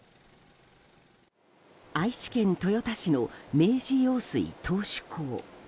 愛知県豊田市の明治用水頭首工。